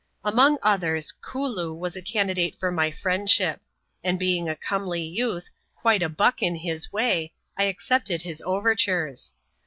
Among others, Kooloo was a candidate for my friendship; and being a comely youth, quite a buck in his way, I accepted his overtures.